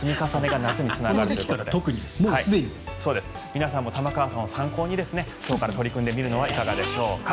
皆さんも玉川さんを参考に今日から取り組んでみてはいかがでしょうか。